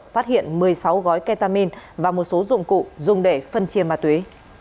phát hiện một mươi sáu gói ketamin và một số dụng cụ dùng để phân chia ma túy